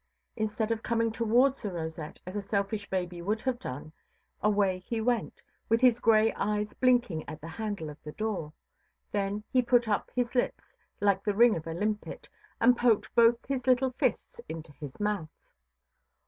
Instead of coming towards the rosette, as a selfish baby would have done, away he went, with his grey eyes blinking at the handle of the door. Then he put up his lips, like the ring of a limpet, and poked both his little fists into his mouth.